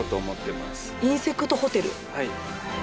はい。